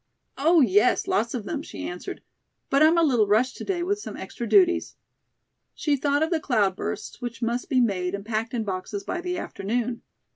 "Oh, yes; lots of them," she answered; "but I'm a little rushed to day with some extra duties." She thought of the "cloud bursts," which must be made and packed in boxes by the afternoon.